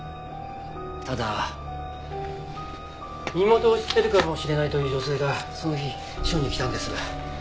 ただ身元を知ってるかもしれないという女性がその日署に来たんです。